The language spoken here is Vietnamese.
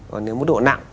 còn nếu mức độ nặng